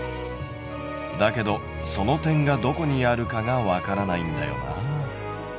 だけどその点がどこにあるかがわからないんだよな。